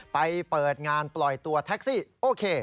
เปิดงานปล่อยตัวแท็กซี่โอเค